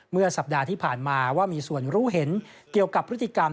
เมื่อสัปดาห์ที่ผ่านมาว่ามีส่วนรู้เห็นเกี่ยวกับพฤติกรรม